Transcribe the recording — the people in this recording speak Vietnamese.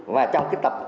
và trong cái tập